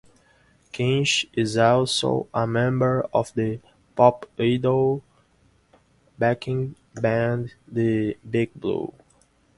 Kinch is also a member of the "Pop Idol" backing band the Big Blue.